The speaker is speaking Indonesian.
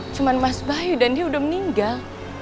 cuma mas bayu dan dia udah meninggal